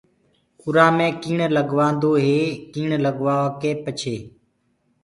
اُرآ مي ڪيڻ لگوآدو ئي ڪيڻ لگوآڪي پڇي